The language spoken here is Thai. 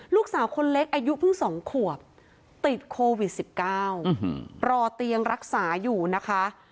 ลูกสาวคนเล็กอายุเพิ่ง๒ขวบติดโควิด๑๙รอเตียงรักษาอยู่นะคะ